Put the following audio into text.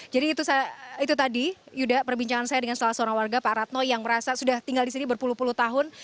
jadi itu tadi yuda perbincangan saya dengan salah seorang warga pak ratno yang merasa sudah tinggal di sini berpuluh puluh tahun